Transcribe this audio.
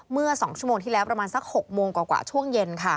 เมื่อ๒ชั่วโมงที่แล้วประมาณสัก๖โมงกว่าช่วงเย็น